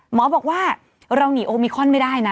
หมอบอกว่าเราหนีโอมิคอนไม่ได้นะ